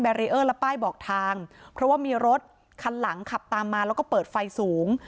รีเออร์และป้ายบอกทางเพราะว่ามีรถคันหลังขับตามมาแล้วก็เปิดไฟสูง